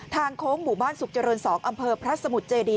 โค้งหมู่บ้านสุขเจริญ๒อำเภอพระสมุทรเจดี